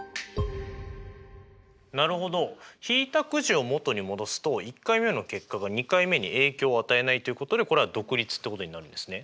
なるほど引いたくじを元に戻すと１回目の結果が２回目に影響を与えないということでこれは独立ってことになるんですね。